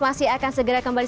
masih akan segera kembali